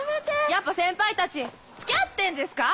やっぱ先輩たち付き合ってんですか？